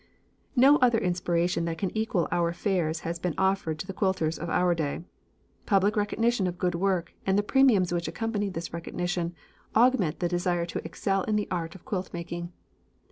No other inspiration that can equal our fairs has been offered to the quilters of our day. Public recognition of good work and the premiums which accompany this recognition augment the desire to excel in the art of quilt making.